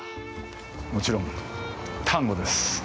もちろんタンゴです！